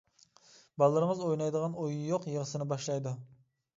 بالىلىرىڭىز ئوينايدىغان ئويۇن يوق يىغىسىنى باشلايدۇ.